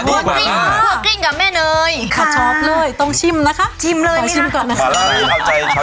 วัตกิ้งกับแม่เนย่ชอบเลยต้องชิมนะคะ